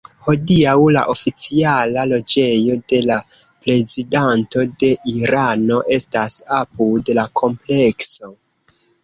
Hodiaŭ, la oficiala loĝejo de la Prezidanto de Irano estas apud la komplekso.